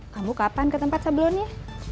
kamu kapan ke tempat sebelumnya